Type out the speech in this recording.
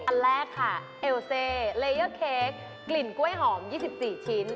อันแรกค่ะเอลเซเลเยอร์เค้กกลิ่นกล้วยหอม๒๔ชิ้น